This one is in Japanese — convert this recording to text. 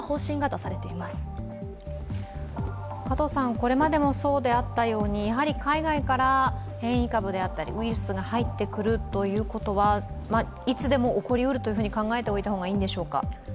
これまでもそうであったように海外から変異株であったりウイルスが入ってくるということはいつでも起こりうると考えておいた方がいいんでしょうか？